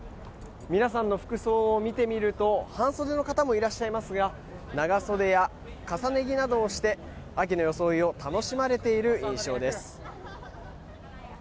皆さんの服装を見てみると半袖の方もいらっしゃいますが長袖や重ね着などをして秋の装いを楽しまれている印象です。